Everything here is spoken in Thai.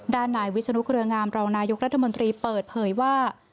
ด้านหลายวิจารณูคริยงามรองนายุกรัฐมนตรีเปิดเผยว่า